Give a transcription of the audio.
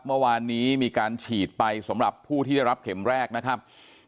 เมื่อวานนี้มีการฉีดไปสำหรับผู้ที่ได้รับเข็มแรกนะครับ